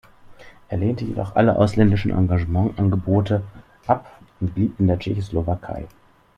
Er lehnte jedoch alle ausländischen Engagement-Angebote ab und blieb in der Tschechoslowakei.